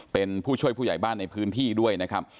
เป็นผู้ช่วยผู้ใหญ่บ้านในพื้นที่ด้วยนะครับ